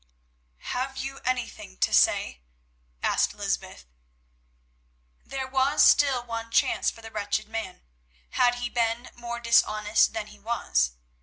"Have you anything to say?" asked Lysbeth. There was still one chance for the wretched man—had he been more dishonest than he was.